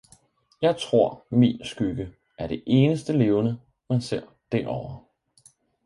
Jeg tror min skygge er det eneste levende, man ser derovre!